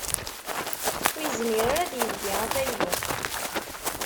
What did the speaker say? Ur yezmir ara a d-ildi afaylu.